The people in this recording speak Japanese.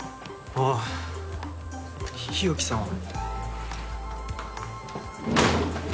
ああ日沖さんは？